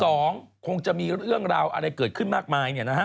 คงจะมีเรื่องราวอะไรเกิดขึ้นมากมายเนี่ยนะฮะ